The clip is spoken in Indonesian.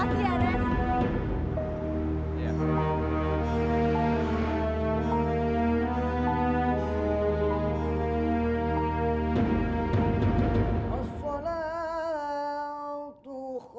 assalamualaikum warahmatullahi wabarakatuh